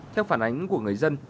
theo phản ánh của người dân